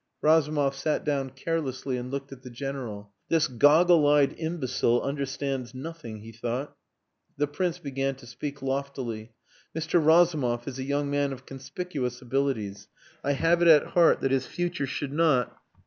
Razumov sat down carelessly and looked at the General. "This goggle eyed imbecile understands nothing," he thought. The Prince began to speak loftily. "Mr. Razumov is a young man of conspicuous abilities. I have it at heart that his future should not...."